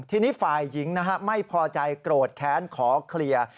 ทีนี้ฝ่ายหญิงนะฮะไม่พอใจโกรธแค้นขอเคลียร์